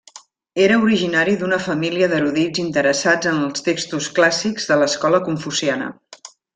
Era originari d'una família d'erudits interessats en els textos clàssics de l'escola confuciana.